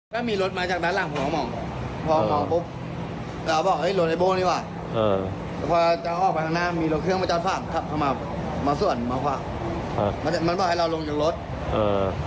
ถ้ามีรถมาจากด้านหลังพอมองพอมองปุ๊บเราบอกเฮ้ย